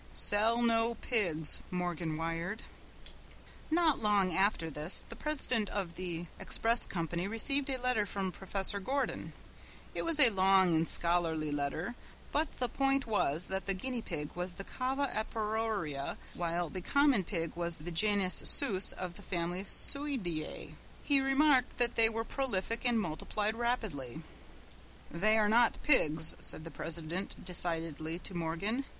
"Sell no pigs," Morgan wired. Not long after this the president of the express company received a letter from Professor Gordon. It was a long and scholarly letter, but the point was that the guinea pig was the Cava aparoea while the common pig was the genius Sus of the family Suidae. He remarked that they were prolific and multiplied rapidly. "They are not pigs," said the president, decidedly, to Morgan.